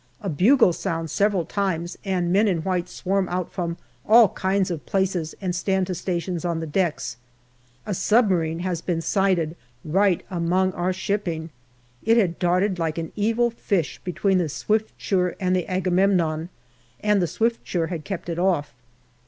A bugle sounds several times, and men in white swarm out from all kinds of places and stand to stations on the decks. A submarine has been sighted right among our shipping ; it had darted like an evil fish between the Swiftsure and the Agamemnon, and the Swiftsure had kept it off.